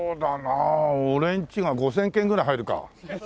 俺んちが５０００軒ぐらい入るか。